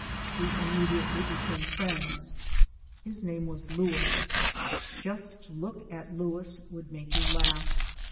We imme diately became friends. His name was Louis. Just to look at Louis would make you laugh.